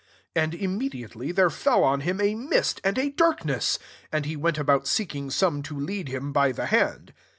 And immediately there fell on him « mist and a dark ness : and he went about seek ing son>e to lead him by the hand.